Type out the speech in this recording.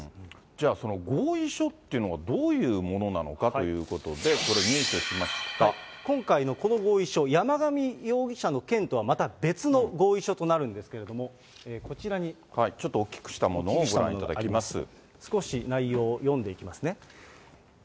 じゃあその合意書っていうのが、どういうものなのかということで、これ、今回のこの合意書、山上容疑者の件とはまた別の合意書となるんですけれども、こちらちょっと大きくしたものをご少し内容、読んでいきますね。